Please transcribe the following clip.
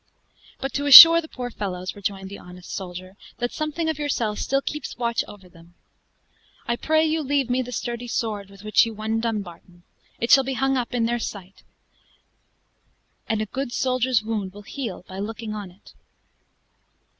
"But to assure the poor fellows," rejoined the honest soldier, "that something of yourself still keeps watch over them. I pray you leave me the sturdy sword with which you won Dumbarton. It shall be hung up in their sight, and a good soldier's wound will heal by looking on it."